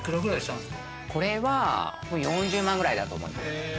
これは４０万くらいだと思います。